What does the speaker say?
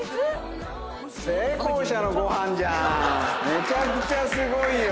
めちゃくちゃすごいよ。